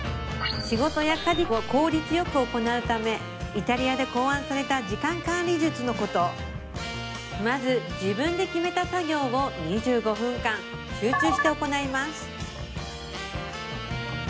仕事や家事を効率よく行うためイタリアで考案された時間管理術のことまず自分で決めた作業を２５分間集中して行います